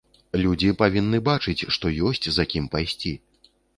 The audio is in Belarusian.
Людзі павінны бачыць, што ёсць за кім пайсці.